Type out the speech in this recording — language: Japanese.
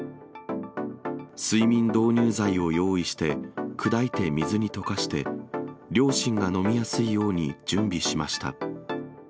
睡眠導入剤を用意して、砕いて水に溶かして、両親が飲みやすいように準備しました。